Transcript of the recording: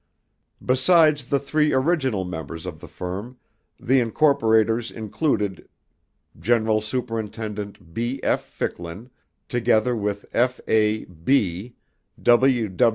Besides the three original members of the firm, the incorporators included General Superintendent B. F. Ficklin, together with F. A.